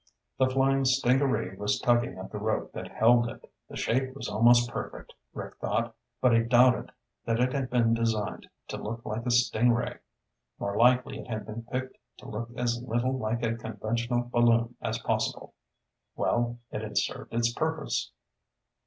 The flying stingaree was tugging at the rope that held it! The shape was almost perfect, Rick thought, but he doubted that it had been designed to look like a sting ray. More likely it had been picked to look as little like a conventional balloon as possible. Well, it had served its purpose.